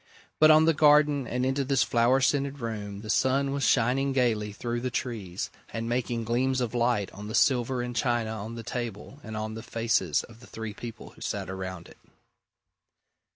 But on the garden and into this flower scented room the sun was shining gaily through the trees, and making gleams of light on the silver and china on the table and on the faces of the three people who sat around it.